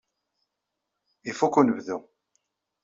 Ifuk unebdu.